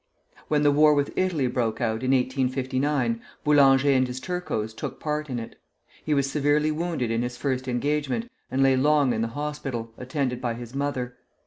When the war with Italy broke out, in 1859, Boulanger and his Turcos took part in it. He was severely wounded in his first engagement, and lay long in the hospital, attended by his mother.